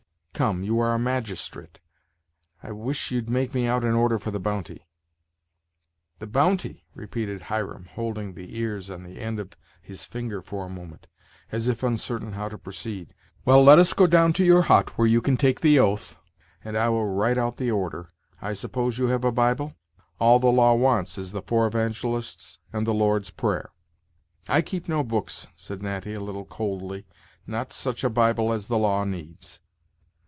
Come, you are a magistrate, I wish you'd make me out an order for the bounty." "The bounty!" repeated Hiram, holding the ears on the end of his finger for a moment, as if uncertain how to proceed. "Well, let us go down to your hut, where you can take the oath, and I will write out the order, I suppose you have a Bible? All the law wants is the four evangelists and the Lord's prayer." "I keep no books," said Natty, a little coldly; "not such a Bible as the law needs."